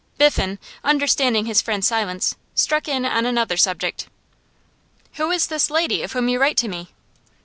Biffen, understanding his friend's silence, struck in on another subject. 'Who is this lady of whom you write to me?